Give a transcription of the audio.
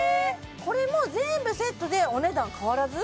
これも全部セットでお値段変わらず？